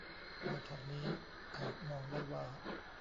แนวทางนี้อาจมองได้ว่า